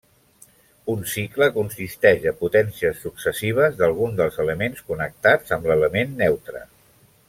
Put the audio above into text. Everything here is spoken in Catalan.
Un cicle consisteix de potències successives d'algun dels elements connectats amb l'element neutre.